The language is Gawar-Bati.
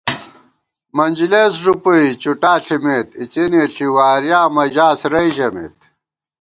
منجِلېس ݫُوپُوئی، چُٹا ݪِمېت ، اِڅِنے ݪِی وارِیاں مَجاس رَئی ژَمېت